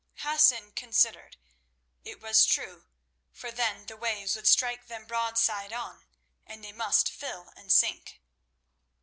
Hassan considered. It was true, for then the waves would strike them broadside on, and they must fill and sink.